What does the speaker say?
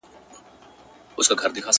• امتحان لره راغلی کوه کن د زمانې یم..